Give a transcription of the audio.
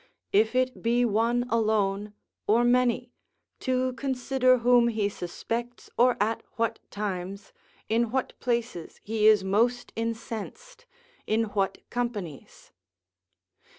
If it be one alone, or many, to consider whom he suspects or at what times, in what places he is most incensed, in what companies.